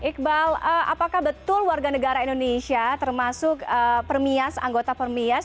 iqbal apakah betul warga negara indonesia termasuk permias anggota permias